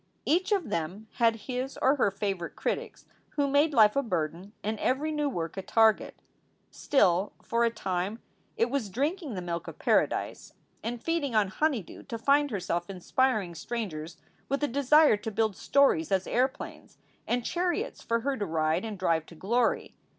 Each of them had his or her favorite critics who made life a burden and every new work a target. Still, for a time, it was drinking the milk of paradise and feeding on honeydew to find herself inspiring strangers with a desire to build stories as airplanes and chariots for her to ride and drive to glory.